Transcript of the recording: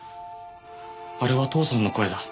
あれは父さんの声だ。